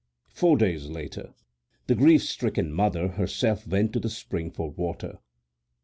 Four days later the grief stricken mother herself went to the spring for water.